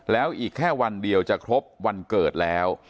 แล้วอีกแค่วันเดียวจะครบวันเกิดแล้ว